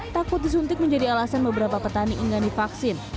takut disuntik menjadi alasan beberapa petani ingin divaksin